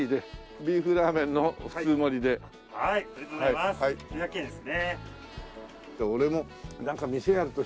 ビーフラーメンですね。